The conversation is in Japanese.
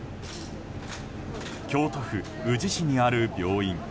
京都府宇治市にある病院。